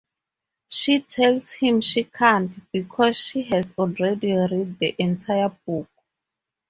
She tells him she can't, because she has already read the entire book.